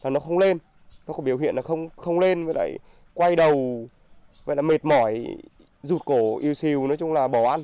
nó không lên nó có biểu hiện là không lên quay đầu mệt mỏi rụt cổ yêu xìu nói chung là bỏ ăn